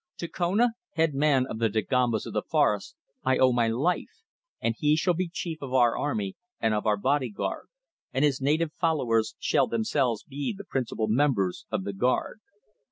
To Kona, head man of the Dagombas of the forest, I owe my life, and he shall be chief of our army and of our body guard, and his native followers shall themselves be the principal members of the guard.